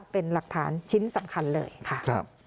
เป็นหลักฐานชิ้นสำคัญเลยค่ะ